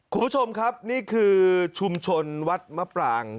คุณผู้ชมครับนี่คือชุมชนวัดมะปราง